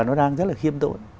nó đang rất là khiêm tội